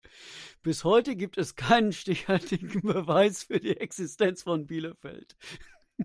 Bis heute gibt es keinen stichhaltigen Beweis für die Existenz von Bielefeld.